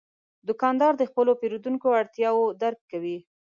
دوکاندار د خپلو پیرودونکو اړتیاوې درک کوي.